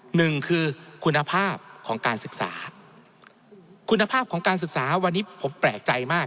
หนึ่งคือคุณภาพของการศึกษาคุณภาพของการศึกษาวันนี้ผมแปลกใจมาก